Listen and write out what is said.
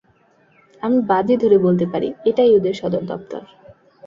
আমি বাজি ধরে বলতে পারি এটাই ওদের সদর দপ্তর।